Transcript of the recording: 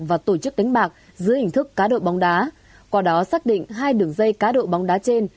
và tổ chức đánh bạc giữa hình thức cá đội bóng đá qua đó xác định hai đường dây cá đội bóng đá trên